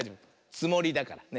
つもりだからね。